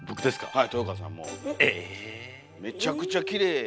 はい。